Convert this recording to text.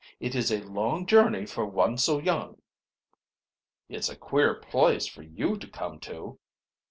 It is a long journey for one so young." "It's a queer place for you to come to."